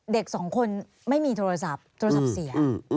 เด็กสองคนไม่มีโทรศัพท์โทรศัพท์เสีย